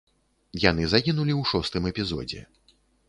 Яны загінулі ў шостым эпізодзе.